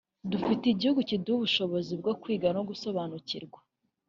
Dufite igihugu kiduha ubushobozi bwo kwiga no gusobanukirwa